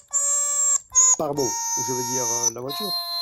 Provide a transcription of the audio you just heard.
Pardon, je veux dire : la voiture…